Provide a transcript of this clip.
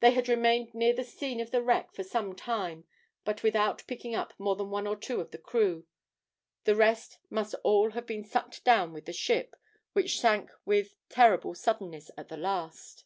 They had remained near the scene of the wreck for some time, but without picking up more than one or two of the crew; the rest must all have been sucked down with the ship, which sank with terrible suddenness at the last.